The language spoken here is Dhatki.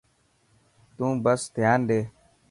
تون بس ڌيان ڏي.